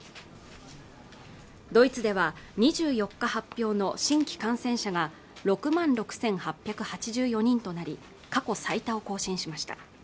ドイツでは２４日発表の新規感染者が６万６８８４人となり過去最多を更新しました